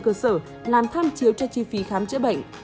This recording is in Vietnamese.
mức lương cơ sở làm tham chiếu cho chi phí khám chữa bệnh